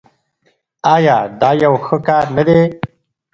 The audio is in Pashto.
آیا دا یو ښه کار نه دی؟